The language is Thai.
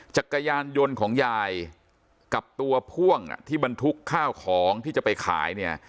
จักรยานยนต์ของยายกับตัวพ่วงที่บรรทุกข้าวของที่จะไปขายเนี่ย